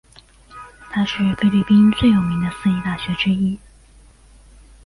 它是菲律宾最有名的私立大学之一。